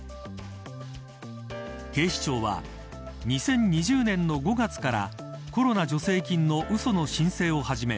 警視庁は２０２０年の５月からコロナ助成金のうその申請をはじめ